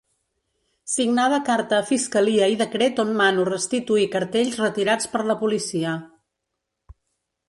Signada carta a fiscalia i decret on mano restituir cartells retirats per la policia.